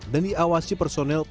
dan diawasi personelnya